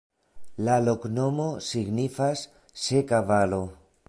La loknomo signifas: seka valo.